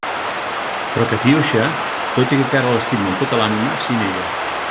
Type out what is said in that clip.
Però Katiuixa, tot i que encara l'estima amb tota l'ànima, s'hi nega.